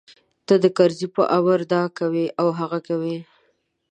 ته د کرزي په امر دا کوې او هغه کوې.